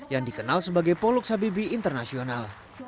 yang dikenal sebagai poluk habibi internasional